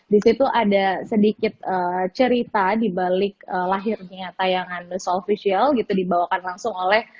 di situ ada sedikit cerita di balik lahirnya tayangan nusa official gitu dibawakan langsung oleh